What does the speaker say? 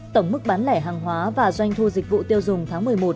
tổng mức bán lẻ hàng hóa và doanh thu dịch vụ tiêu dùng tháng một mươi một